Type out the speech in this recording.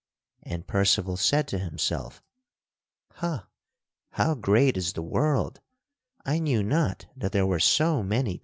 And Percival said to himself: "Ha! how great is the world; I knew not that there were so many people in the world."